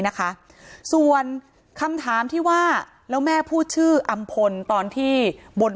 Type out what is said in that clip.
นะคะส่วนคำถามที่ว่าแล้วแม่พูดชื่ออำพลตอนที่บน